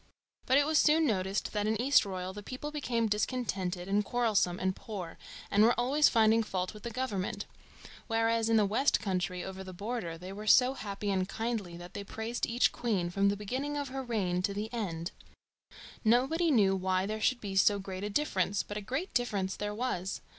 But it was soon noticed that in Eastroyal the people became discontented and quarrelsome and poor, and were always finding fault with the government; whereas in the west country over the border they were so happy and kindly that they praised each queen from the beginning of her reign to the end. Nobody knew why there should be so great a difference, but a great difference there was.